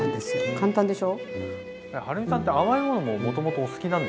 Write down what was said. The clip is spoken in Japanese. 簡単でしょ？